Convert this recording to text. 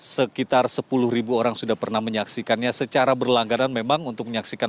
sekitar sepuluh orang sudah pernah menyaksikannya secara berlangganan memang untuk menyaksikan